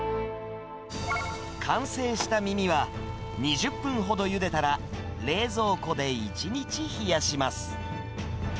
完成した耳は、２０分ほどゆでたら、冷蔵庫で１日冷やします。